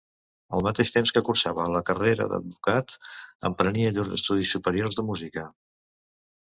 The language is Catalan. Al mateix temps que cursava la carrera d'advocat, emprenia llurs estudis superiors de música.